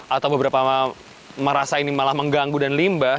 atau beberapa merasa ini malah mengganggu dan limbah